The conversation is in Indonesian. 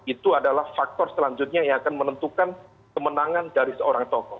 itu adalah faktor selanjutnya yang akan menentukan kemenangan dari seorang tokoh